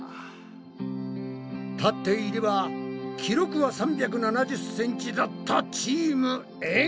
立っていれば記録は３７０ｃｍだったチームエん。